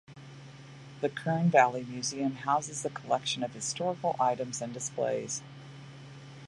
The Kern Valley Museum houses a collection of historical items and displays.